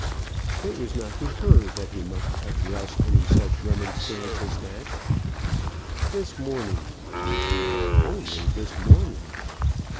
It was not to her that he must address any such remonstrance as that. "This morning!" he repeated "only this morning!"